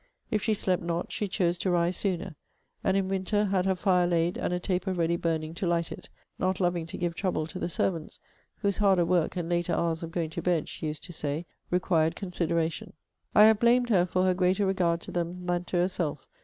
If she slept not, she chose to rise sooner. And in winter had her fire laid, and a taper ready burning to light it; not loving to give trouble to the servants, 'whose harder work, and later hours of going to bed,' she used to say, 'required consideration.' I have blamed her for her greater regard to them than to herself.